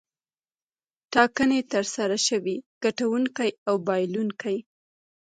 ټاکنې ترسره شوې ګټونکی او بایلونکی.